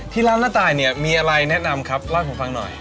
ที่ร้านน้าตายเนี่ยมีอะไรแนะนำครับเล่าให้ผมฟังหน่อย